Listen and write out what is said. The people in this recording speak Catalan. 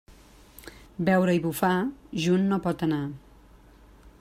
Beure i bufar junt no pot anar.